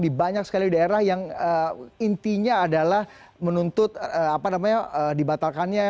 di banyak sekali daerah yang intinya adalah menuntut dibatalkannya